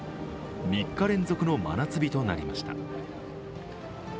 ３日連続の真夏日となりました。